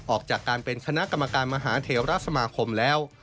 ออกจากการเป็นคณะกรรมการมหาเทวรัฐสมาคมแล้ว